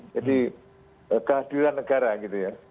jadi kehadiran negara gitu ya